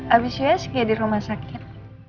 abis yoyoski di rumah sakit